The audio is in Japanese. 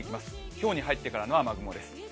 今日に入ってからの雨雲です。